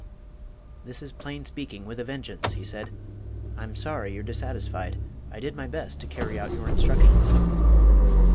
"This is plain speaking with a vengeance," he said; "I'm sorry you're dissatisfied. I did my best to carry out your instructions."